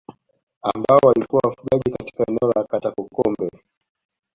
Ambao walikuwa wafugaji katika eneo la Katakokombe